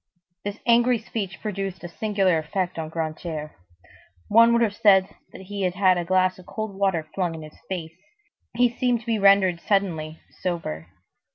This angry speech produced a singular effect on Grantaire. One would have said that he had had a glass of cold water flung in his face. He seemed to be rendered suddenly sober.